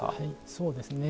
そうですね。